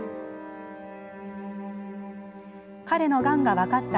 彼のがんが分かった